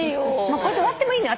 これで終わってもいいのよ。